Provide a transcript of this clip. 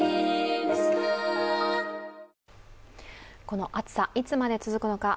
この暑さ、いつまで続くのか。